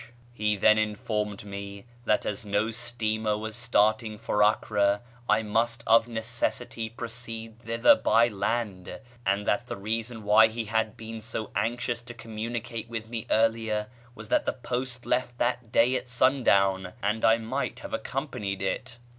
He then informed me that as no steamer was starting for Acre I must of necessity proceed thither by land, and that the reason why he had been so anxious to communicate with me earlier was that the post left that day at sun down and I might have accompanied it.